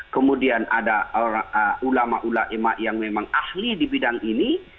kemudian ada ulama ulama yang memang ahli di bidang ini